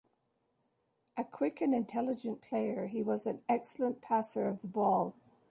A quick and intelligent player, he was an excellent passer of the ball.